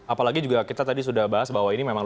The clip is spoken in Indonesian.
apalagi juga kita tadi sudah bahas bahwa ini memang